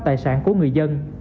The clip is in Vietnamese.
tài sản của người dân